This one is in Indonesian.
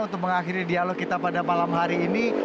untuk mengakhiri dialog kita pada malam hari ini